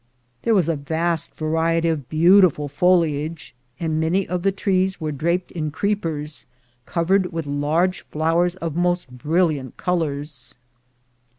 There was a vast variety of beautiful foliage, and many of the trees were draped in creepers, covered with large flowers of most brilliant ON TO CALIFORNIA 25 colors.